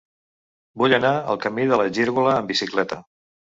Vull anar al camí de la Gírgola amb bicicleta.